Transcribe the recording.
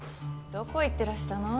どこ行ってらしたの？